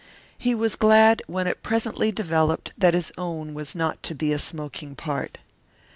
He was glad when it presently developed that his own was not to be a smoking part.